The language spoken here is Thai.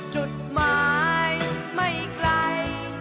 จุดหมายไม่ไกล